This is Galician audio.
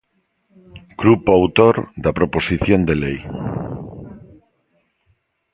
Grupo autor da proposición de lei.